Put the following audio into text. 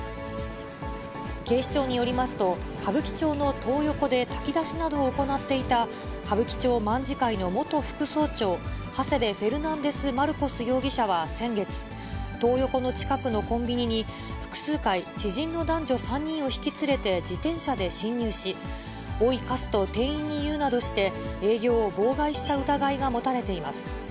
警視庁によりますと、歌舞伎町のトー横で炊き出しなどを行っていた、歌舞伎町卍会の元副総長、ハセベフェルナンデスマルコス容疑者は先月、トー横の近くのコンビニに複数回、知人の男女３人を引き連れて自転車で侵入し、おいカスと、店員に言うなどして、営業を妨害した疑いが持たれています。